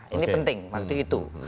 ini penting waktu itu